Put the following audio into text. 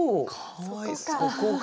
そこか。